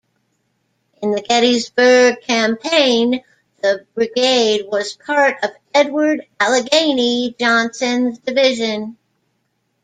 In the Gettysburg Campaign, the brigade was part of Edward "Allegheny" Johnson's division.